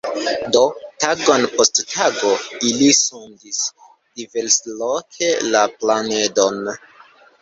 Do, tagon post tago, ili sondis diversloke la planedon.